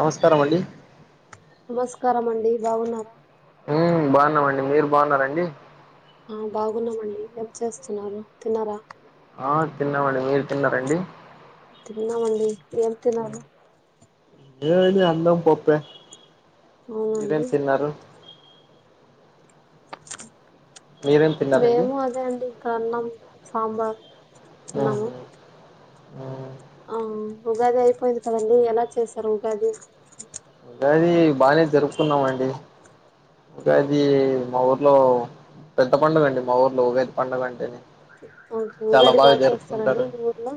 నమస్కారం అండి నమస్కారం అండి బాగున్నార బాగున్నామండి మీరు బాగున్నారండి ఆ బాగున్నామండి ఏం చేస్తున్నారు తిన్నారా ఆ తిన్నామండి మీరు తిన్నారండి తినం అండి ఏం తినరు ఏ అన్నం పాపే మీరేం అవునండి తినరు మీరేం తిన్నారండి మేము అదే అండి అన్నం సాబార్ అన్నము ఉ ఆ ఉగాది అయిపోయిది కదండీ ఎలా చేస్తారు ఉగాది ఉగాది ఇంకా ఇది మా ఊర్లో పెద్ద పండగ అండి మా ఊరు లోగాది పండగ కంటేనే ఓకే చాలా ఉగాది బాగా చేస్తారండి జరుపుకుంటారు మీ ఊర్లో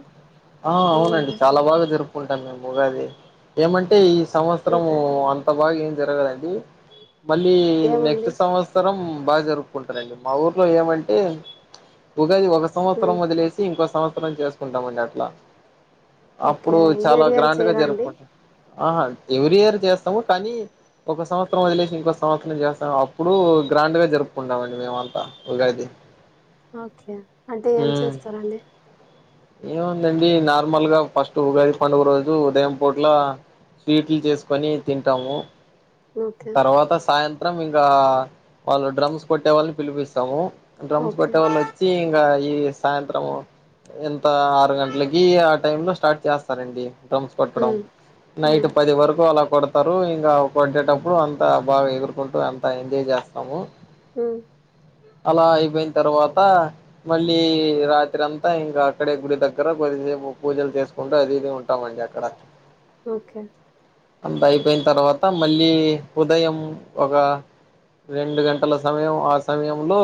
ఆ అవునండి చాలా బాగా జరుపు కుంటాం మేముది ఏమంటే ఈ సంవత్సరం అంటే అంత బాగా జరగదండి మళ్ళీ నెక్స్ట్ ఏమండి సంవత్సరం బాగా జరుపుకుంటారండి మా ఊర్లో ఏమంటే ఉగాది ఒక సంవత్సరం ఉమ్ వదిలేసి ఇంకో సంవత్సరం చేసుకుంటామండి అట్లా ఓకే అప్పుడు చాలా ఇయర్ ఇయర్ గ్రాండ్ గా చేయరా అండి జరుపుకుంటాం ఆహా ఎవ్రీ ఇయర్ చేస్తాము కానీ ఒక సంవత్సరం వదిలేసి ఇంకస్త సంవత్సరం చేస్తాం అప్పుడు గ్రాండ్ గా జరుపుకుంటామండి మేమంతా ఉగాడిది ఓకే అంటే ఏం చేస్తారాండి ఏముందండి నార్మల్ గా ఫస్ట్ ఉగాది పండుగ రోజు ఉదయం పూట్ల స్వీట్లు చేసుకొని తింటాము ఓకే తర్వాత సాయంత్రం ఇంకా వాళ్ళు డ్రమ్స్ కొట్టే వాళ్ళని పిలిపిస్తాము డ్రమ్స్ ఓకే కొట్టే వాళ్ళు వచ్చి ఇకా ఈ సాయంత్రం ఎంత ఆరు గంటలకి ఆ టై లో స్టార్ట్ చేస్తారండి కొట్టడం ఉమ్ నైట్ ఉమ్ పది వరకు అలా కొడతారు ఇంకా కొట్టేటప్పుడు అంత బాగా ఎగురుకుంటూ అంత ఎంజాయ్ చేస్తాము మ్మ్ అలా అయిపోయిన తర్వాత మళ్ళీ రాత్రి అంతా ఇంకా అక్కడే గుడి దగ్గర బొ మీము పూజలు చేసుకుంటా హ్యపీగా ఉంటామండి అక్కడ ఓకే అంత అయిపోయిన తర్వాత మళ్ళీ ఉదయం ఒక రెండు గంటల సమయం ఆ సమయంలో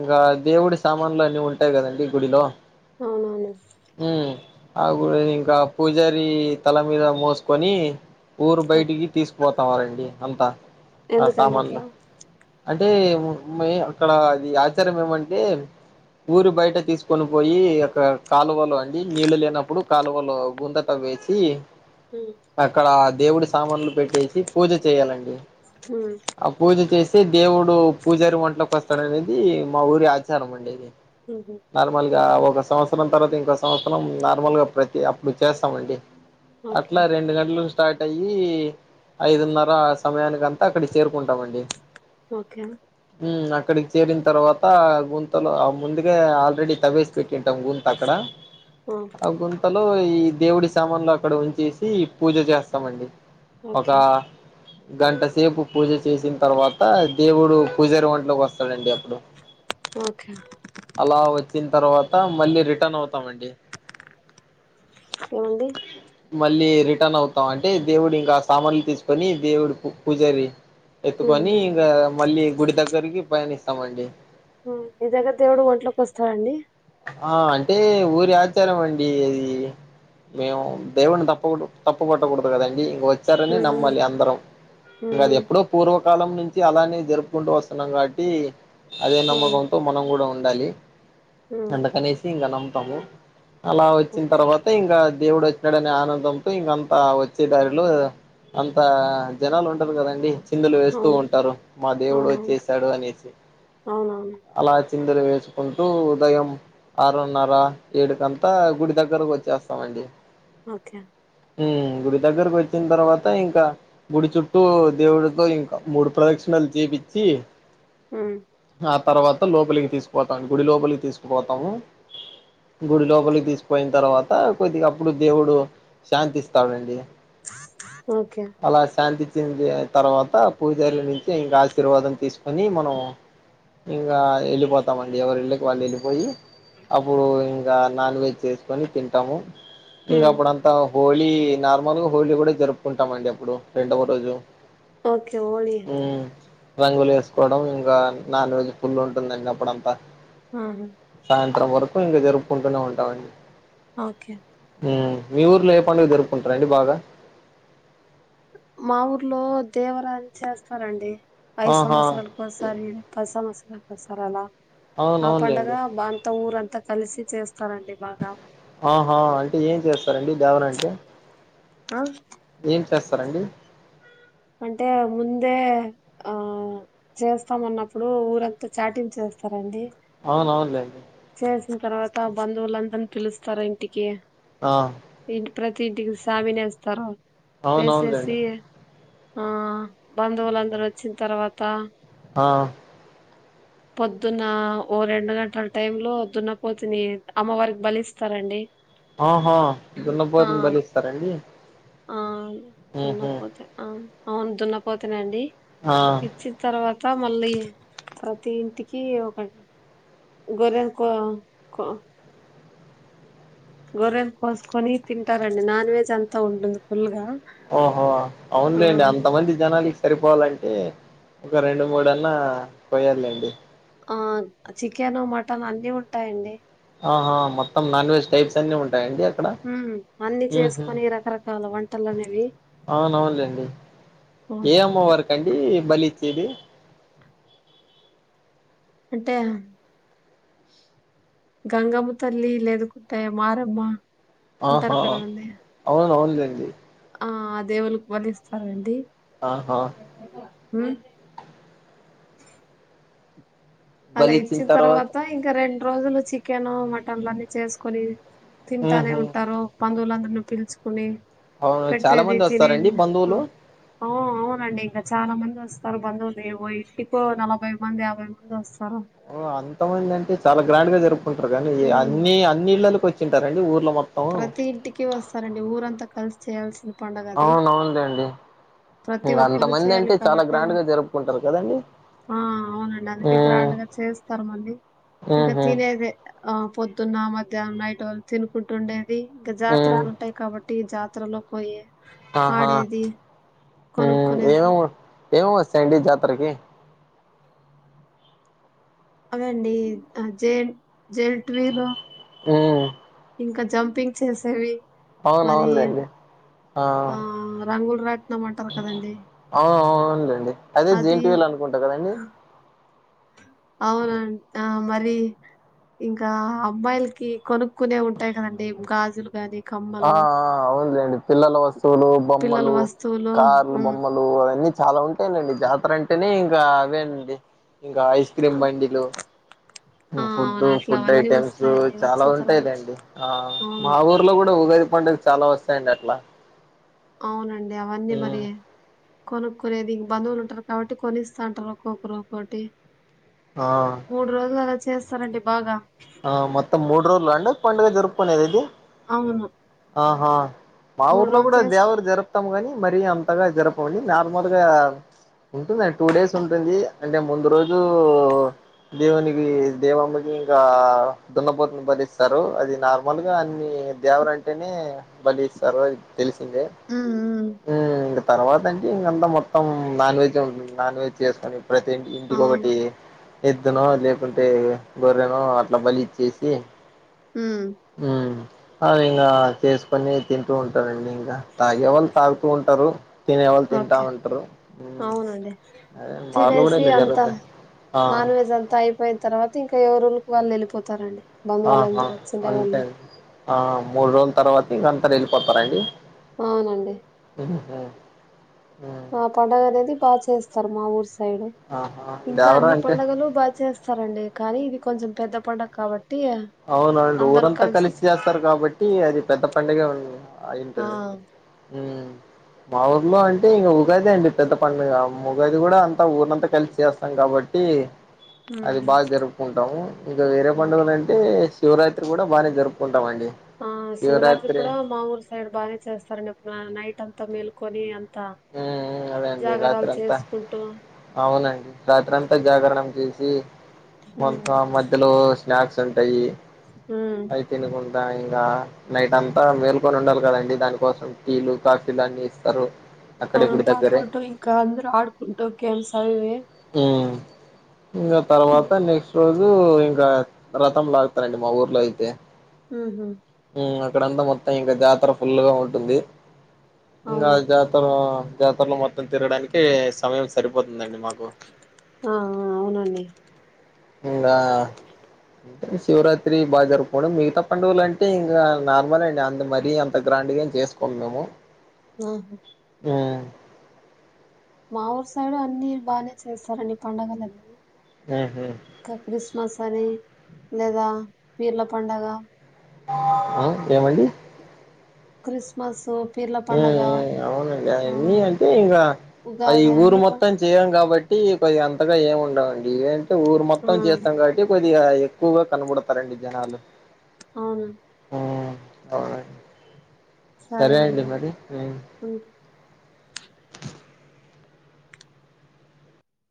ఇంకా దేవుడి సామాన్లు అన్ని ఉంటాయి కాదండి గుడిలో అవున అవి ఇంకా పూజారి తల మీద మోసుకొని ఊరు బయటికి తీసుకు పోతారండి అంతా ఆ ఎందుకండి సామాన్లు అట్లా అంటే మేయిన్ అక్కడ అది ఆచారం ఏమంటే ఊరి బయట తీసుకొని పోయి అక్కడ కాలువలు అండి నీళ్ళు లేనప్పుడు కాలువలు గుంత తవ్వి వేసి మ్మ్ అక్కడ దేవుడి సామాన్లు పెట్టేసి పూజ చేయాలండి ఆ పూజ పూజ చేస్తే దేవుడు పూజారి వంట్లొకి వస్తాడు అనేది మా ఊరి ఆచారం అండి ఇది ఉహు నార్మల్ ఒక సంవత్సరం తర్వాత ఇంకో సంవత్సరం నార్మల్ గా ప్రతి అప్పుడు చేస్తామండి ఓకే అట్లా రెండు గంటలకు స్టార్ట్ అయ్యి ఐదున్నర ఆ సమయానికి అంతా అక్కడికి చేరుకుంటామండి ఓకే అక్కడికి చేరిన తర్వాత గుంతలు ఆ ముందుగా ఆల్రెడీ తవ్వేసి పెట్టి పెట్టింటాం గుంత అక్కడ ఆ గుంత ఈ దేవుడి సామన్లు అక్కడ ఉంచేసి పూజ చేస్తామండి ఒక ఓకే గంటసేపు పూజ చేసిన తర్వాత దేవుడు పూజారి వంట్లొకి వస్తాడండి ఓకే అలా వచ్చిన తర్వాత మళ్ళీ రిటర్న్ అవు ఏమిటి మళ్ళీ రిటర్న్ అవుతాం అంటే దేవుడు ఇంకా సామాన్లు తీసుకొని దేవుడికి పూజారి మ్మ్ ఎత్తుకొని హ్మ్ ఇంకా మళ్ళీ గుడి దగ్గరికి పయనిస్తామండి మ్మ్ ఏదొ ఒక దేవుడు ఒంట్లోకి వస్తారాండి ఆ అంటే ఊరి ఆచారం అండి అది మేము దేవున్ని తప్పు తప్పు పట్ట కొడదు కదండి ఇంగా వచ్చారని మ్మ్ నమ్మాలి అందరం హ్మ్ ఇంకా అది మ్మ్ ఎప్పుడో పూర్వ కాలం నుంచి అలానే జరుపుకుంటూ వస్తున్నాం కాబట్టి అదే హ్మ్ నమ్మకంతో మనం కూడా ఉండాలి మ్మ్ అందుకనేసి ఇంకా నమ్ముతాము అలా వచ్చిన ఓకే తర్వాత ఇంకా దేవుడు వచ్చినాడనే ఆనందంతో ఇంకా అంత వచ్చే దారిలో అంత జనాలు ఉండరు కదండి చిందులు వేస్తూ అవును ఉంటారు మా దేవుడు అవునవును వచ్చేసాడు అనేసి అవునవును అలా చిందులు వేసుకుంటూ ఉదయం ఆరున్నర ఏడుకంతా గుడి దగ్గరకు వచ్చేస్తామండి ఓకే మ్మ్ గుడి దగ్గరకు వచ్చిన తర్వాత ఇంకా గుడి చుట్టూ దేవుడితో ఇంకా మూడు ప్రదక్షిణ తం చేపిచ్చి ఆ ఆ తర్వాత లోపలికి తీసుకుపోతాం గుడి లోపలికి తీసుకుపోతాము గుడి లోపలికి తీసుపోయిన తర్వాత కొద్దిగా అప్పుడు దేవుడు శాంతిస్తాడు అండి ఓకే తర్వాత ఆ పూజరి నుంచి ఇంకా ఆశీర్వాదం తీసుకొని మనం ఇంగా వెళ్ళిపోతామండి ఎవరి ఇళ్ళకి వాళ్ళు పోయి అప్పుడు ఇంకా నాన్ వెజ్ చేసుకొని తింటాము ఇంకా మ్మ్ అప్పుడంతా హోళ నార్మల్గా హోళ కూడా జరుపుకుంటామ అండి అప్పుడు రెండవ రోజు ఒకే ఓలి మ్మ్ రంగులు వేసుకోవడం ఇంకా నాన్ వెజ్ పుల్ ఉంటుందండి అప్పుడంతా ఆహా సాయంత్రం వరకు ఇంకా జరుపుకుంటూనే ఉంటామండి ఓకే మీ ఊర్లో ఏ పండుగ జరుపుకుంటారం అండి బాగా మా ఊర్లో దేవరాని చేస్తారండి పఐదు ఆహా సంవత్సరాలకోసారి పది సంవత్సరాలకోసరీ అలా ఆ పండగ అవునవునులేండి బా అంత ఊరంతా కలిసి చేస్త ఆహా అంటే ఏం చేస్తారండి దవరంటే అ ఏం చేస్తారండి అంటే ముందే ఆ చేస్తామ అన్నప్పుడు ఊరంతా చాటించే స్తారండి అవునవులే తర్వాత బంధువులందరినీ పిలుస్తారా ఇంటికి ఆ ఇంటి ప్రతి ఇంటికి సామిన వేస్తారు వేసేసి అవునవునులేండి ఆ బంధువులుందరు వచ్చిన తర్వాత హా పొద్దున్న ఓ రెండు గంటల టైంలో పొద్దున్న దున్న పోతిని అమ్మవారికి బలిస్తారండి ఆహా దన్నపోతుని బలిస్తారండి ఆను మ్మ్ హ్మ్ దున్నపోతే ఆ అవును దున్నపోతనండి ఆ ఇచ్చిన తర్వాత మళ్ళీ ప్రతి ఇంటికి ఒక గొర్రెను కో గొర్రె ను కోసుకొని తింటారండి నాన్ వెజ్ అంతా ఉంటుంది ఫుల్ గా ఓహో అవునులేండి అంత మంది జనాల సరిపోవాలంటే ఒక రెండు మూడు అన్నా కోయాలండి ఆ చికెన్ మటన్ అన్ని ఉంటాయండి ఆహా మొత్తం నాన్ వెజ్ టైప్స్ అన్ని ఉంటాయి అన్ని చేసుకొని రకరకాల వంటలనేవి అవునవునులేండి ఏ అమ్మవరీకండి బలి ఇచ్చేది అంటే గంగమ్మ తల్లి లేదుకుంటాయ మారమ్మ ఉంటారు ఆహా కదండి అవునవునులేండి ఆ దేవుళ్ళకి బళ్లిస్తారండి ఆహా ఆ అలా ఇచ్చిన తర్వాత ఇంకా రెండు రోజులు చికెన్ మటన్లన్నీ చేసుకొని తింటానే ఉహు ఉంటారు బంధువులందరిని పిలుచుకుని అవును చాలా పెట్టేది మంది వస్తారండి తినేది బంధువులు ఓ అవునండి ఇంకా చాలా మంది వస్తారు బంధువులుో ఇంటికో నలభై మంది యాభై మంది వస్తారు ఓ అంతమంది అంటే చాలా గ్రాండ్ గా జరుపుకుంటారు కానీ ఉమ్ అన్ని అన్ని ఇళ్లకి వచ్చి తింటారండి ఊర్లో మ ప్రతి ఇంటికి వస్తారండి ఊరంతా కలిసి చేయాల్సిన పండగ అది అవునవును లేండి ప్రతి ఒక్కరూ చేయాలి కాబట్టి గ్రాండ్ గా జరుపుకుంటారు కదండి ఆ అవునండి అందుకే హ్మ్ గ్రాండ్ గా చేస్తారు మళ్ళీ ఇంకా ఉహు తినేదే ఆ పొద్దున్న మధ్యాహ్నం నైట్ వాళ్ళు తినుకుంటు ఉండేది ఇంకా హ్మ్ జాతరలు ఉంటాయి కాబట్టి ఇటి జాతరలో పోయే ఆహా ఆడేది కొన కొనే స ఏమో సాండ్విచ్ జత్రకి అదేండి [unintelligible] ఉ ఇంకా జంపింగ్ చేసేవి మరి అవునవునులేండి ఆ రంగులు రాట్నమంటారు కదండి అవు అవువునులేండి అదే జేంటి వీలు అనుకుంటా కదండి అవున ఆ మరి ఇంకా అమ్మాయిలకి కొనుక్కునే ఉంటాయి కదండి గాజులు గానీ ఆ అవులేండి పిల్లలు వస్త స్తువులు పిల్లల బొమ్మలు వస్తువులు కార్లు ఉమ్ బొమ్మలు అవన్నీ చాలా ఉంటాయి అండి జాతర అంటే అంటనే ఇంకావేనండి ఇంకా ఐస్ క్రీమ్ బండిలు ఆ ఫుడ్ అవును అట్లా ఫుడ్ అవన్నీ ఐటెమ్స్ వస్తాయండి చాలా వచ్చిన తర్వాత ఉంటాయిలేండి మా అవును ఊర్లో కూడా ఉగాది పండుగలు చాలా వస్తాయండి అట్లా అవునండి అవన్నీ మ్మ్ మరి కొనుకునేది ఇక బంధువులు ఉంటారు కాబట్టి కొనిస్తా అంటారు ఒక్కొక్కరు ఒక్కొటి ఆ మూడు రోజులు అలా చేస్తారండి బాగా ఆ మత్తం మూడు రోజులు అండ పండుగ జరుపుకునేద ఇదది అవును ఆహా మా మూడు ఊర్లో రోజులు కూడా చేసుకు దేవరు జరుపుతాం గాని మరి అంతగా జరపండి నార్మల్గా ఉంటుందండి టూ డేస్ ఉంటుంది అంటే ముందు రోజు దేవునికినికి దేవమ్మకి ఇంకా దున్నపోతుని బలిస్తారు అది నార్మల్ గా అన్ని దేవరంటేనే బలి ఇస్తారు తెలుసు ఇ ఉమ్ ఉమ్ తర్వాత అంటే ఇంకంతా మొత్తం నాన్ వెెజ్ నాన్ వెజ్ చేసుకొని ప్రతి ఆ ఇంటిక ఒకటి ఎద్దునో లేకుంటే గోరే నో అట్లా బలి ఇచ్చేసి ఉమ్ అ ఇంకా చేసుకొని తింటూ ఉంటారండి ఇంకా తాగే వాళ్ళు తాగుతూ ఉంటారు తినేవాళ్ళు ఓకే తింటామంటారు అవునండి అదే మార్లు కూడా తినేసి ఏ అంతా జరుగుతే నాన్ వెజ్ అంతా అయిపోయిన తర్వాత ఇంకా ఎవరుళకి వాళ్ళు వెళ్ళిపోతారండి ఆహా బంధువులందరూ వచ్చిండే అంతే వాళ్ళు ఆ మూడు రోజుల తర్వాత ఇంకంత వెళ్ళిపోతారండి అవునండి హా ఆ పండుగ అనేది బాగా చేస్తారు మా ఊరు సైడ్ ఆహా! ఇంకా ఇంకెవరు అన్ని అంటే పండుగలు బాగా చేస్తారంండి కానీ ఇది కొంచెం పెద్ద పండుగ కాబట్టి అవునండి ఊరంతా కలిసి చేస్తారు కాబట్టి అది పెద్ద పండుగ ఉ ఆ అయింటదండి ఉ మా ఊర్లో అంటే ఇంక ఉగాది అండి పెద్ద పండుగ ఉగాది కూడా అంతా ఊరంతా కలిసి చేస్తాం కాబట్టి ఏ అది ఉమ్ బాగా జరుపుకుంటాము ఇంకా వేరే ఓకే పండుగలు అంటే శివరాత్రి కూడా బాగానే జరుపుకుంటాం ఆ శివరాత్రి కూడా మా ఊరు సైడ్ బాగానే చేస్తారండిప్పు నైట్ అంతా మేల్కొని హ అదేండి రాత్ర అంతా చేసుకుంటూ అవునండి రాత్ర అంతా జాగరణం చేసి ఉమ్ కొంత మధ్యలో స్నాక్స్ ఉంటాయి ఉమ్ అవి తినకుంట ఇంకా నైట్ అంతా మేల్కొని ఉండాలి కదండి దానికోసం టీలు కాఫీలు అన్ని ఇస్తారు అక్కడే అవును గుడి దగ్గరే తాకుంటు ఇంకా అందరు ఆడుకుంటూ గేమ్స్ అవివి ఉమ్ ఇంకా తర్వాత నెక్స్ట్ రోజు ఇంకా రథం లాగతరండి మా ఊర్లో అయితే. ఉ హు ఉ అక్కడంతా మొత్తం ఇంకా జాతర ఫుల్లుగా ఉంటుంది. ఇంగా అవును జాతర ఆ జాతరలో మొత్తం తిరడానికే సమయం సర్ సరిపోతుందండి మాకు ఆ ఆ అవునండి ఇంగా శివరాత్రి బాగా జరుపుకోవడం మిగతా పండుగలు అంటే ఇంకా నార్మలే అండి అంత మరీ అంత గ్రా గ్రాండుగేమి చేసుకోము మేము ఆహా ఉ మా ఊరు సైడు అన్ని బాగానే చేస్తారండి పండుగలన్ని. ఉహు మసారి లేదా పీర్ల పండగ ఆ ఏమండి క్రిస్మసు అవునండి అవన్నీ అంటే ఇంకా అది ఉగాది ఊరు అన్ని ప మొత్తం చేయం కాబ ట్టి కొద్దిగా అంతగా ఏమి ఉండవండి ఏంటే ఊరు ఆ మొత్తం చేస్తాం కాబట్టి కొద్దిగా ఎక్కువగా కనపడుతారండి జనాలు అవునా ఉ అవునండి సరే అండి మరి ఉ ఉంటా